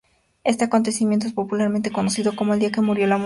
Este acontecimiento es popularmente conocido como El día que murió la música.